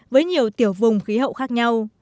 với nhiều tiểu vùng khí hậu khác nhau